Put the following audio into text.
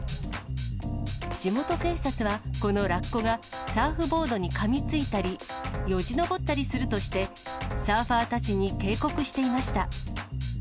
地元警察は、このラッコがサーフボードにかみついたり、よじ登ったりするとして、サーファーたちに警告していました。